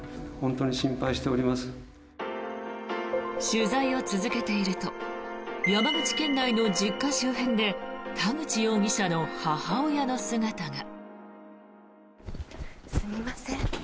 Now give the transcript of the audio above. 取材を続けていると山口県内の実家周辺で田口容疑者の母親の姿が。